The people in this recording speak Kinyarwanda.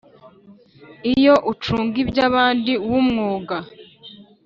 iyo ucunga iby abandi w umwuga